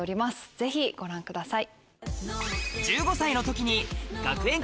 ぜひご覧ください。